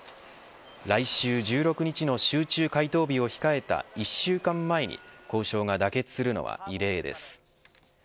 来週１６日の集中回答日を控えた１週間前に交渉が妥結するのは異例です。